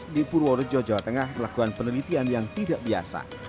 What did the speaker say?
di purworejo jawa tengah melakukan penelitian yang tidak biasa